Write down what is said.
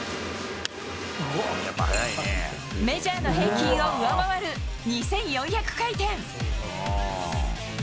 メジャーの平均を上回る２４００回転。